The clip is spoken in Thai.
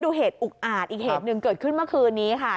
ดูเหตุอุกอาจอีกเหตุหนึ่งเกิดขึ้นเมื่อคืนนี้ค่ะ